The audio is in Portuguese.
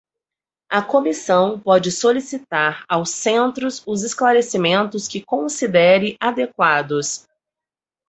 A Comissão pode solicitar aos centros os esclarecimentos que considere adequados.